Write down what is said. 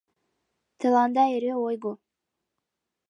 Тыланда эре ойго.